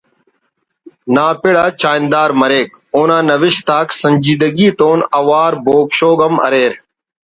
نا پڑ آ چاہندار مریک اونا نوشت آک سنجیدگی تون اوار بوگ شوگ ہم اریر